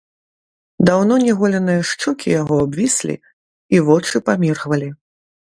Даўно не голеныя шчокі яго абвіслі, і вочы паміргвалі.